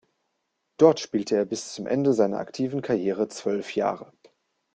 Dort spielte er bis zum Ende seiner aktiven Karriere zwölf Jahre.